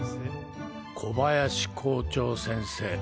小林校長先生。